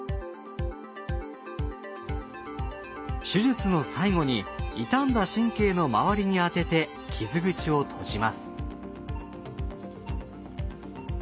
手術の最後に傷んだ神経の周りに当てて傷口を閉じます。